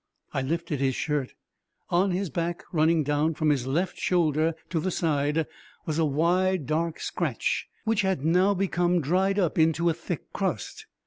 I lifted his shirt. On his back, running down from his left shoulder to the side, was a wide dark scratch which had now become dried up into a thick crust.